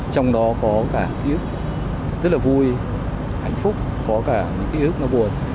trong đó có cả ký ức rất là vui hạnh phúc có cả ký ức buồn